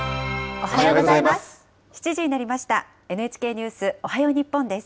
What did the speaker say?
おはようございます。